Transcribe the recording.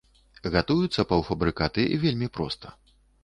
Гатуюцца паўфабрыкаты вельмі проста.